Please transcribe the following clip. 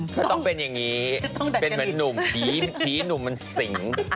ก็ต้องเป็นอย่างนี้เป็นเหมือนหนุ่มผีหนุ่มมันสิง